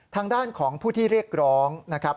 ทางด้านของผู้ที่เรียกร้องนะครับ